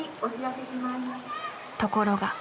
ところが。